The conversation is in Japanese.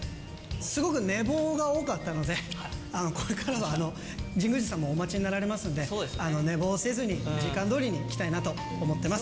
すごく寝坊が多かったので、これからは神宮寺さんもお待ちになられますんで、寝坊せずに、時間どおりに行きたいなと思ってます。